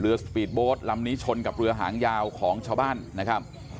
สปีดโบสต์ลำนี้ชนกับเรือหางยาวของชาวบ้านนะครับ